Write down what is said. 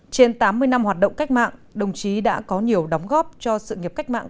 trên tám mươi năm hoạt động cách mạng đồng chí đã có nhiều đóng góp cho sự nghiệp cách mạng